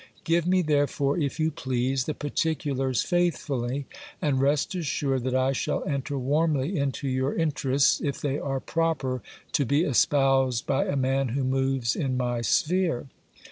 Give me, therefore, if you please, the particulars faithfully, and rest assured that I shall enter warmly into your in terests, if they are proper to be espoused by a man who moves in my sphere.